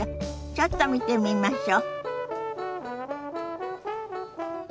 ちょっと見てみましょ。